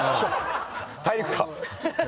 大陸か。